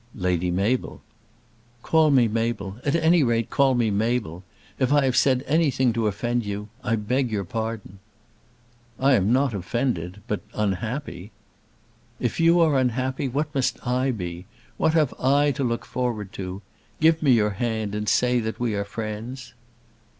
"Lady Mabel." "Call me Mabel. At any rate call me Mabel. If I have said anything to offend you I beg your pardon." "I am not offended but unhappy." "If you are unhappy, what must I be? What have I to look forward to? Give me your hand, and say that we are friends."